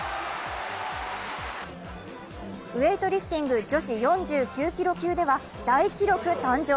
ウエイトリフティング女子４９キロ級では大記録誕生。